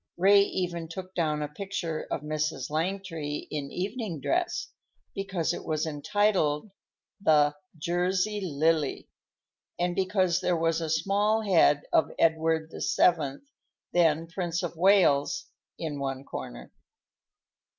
Ray even took down a picture of Mrs. Langtry in evening dress, because it was entitled the "Jersey Lily," and because there was a small head of Edward VII, then Prince of Wales, in one corner.